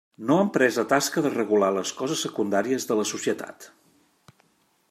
No ha emprès la tasca de regular les coses secundàries de la societat.